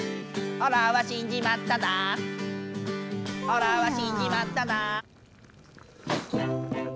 「おらは死んじまっただ」